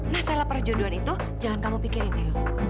masalah perjodohan itu jangan kamu pikirin milo